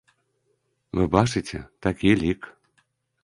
Вы бачыце, такі лік.